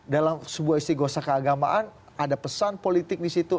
dalam sebuah istiqlal sekeagamaan ada pesan politik di situ